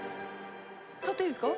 触っていいですか？